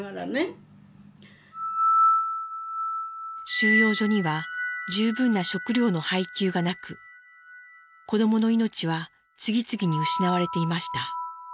収容所には十分な食料の配給がなく子どもの命は次々に失われていました。